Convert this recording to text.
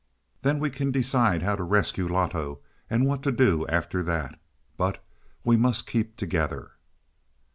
Then we can decide how to rescue Loto and what to do after that. But we must keep together."